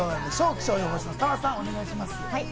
気象予報士の澤さん、お願いします。